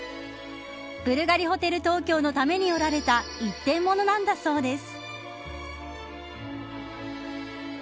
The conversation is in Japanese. ブルガリホテル東京のために織られた１点ものなんだそうです。